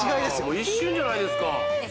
もう一瞬じゃないですかえっ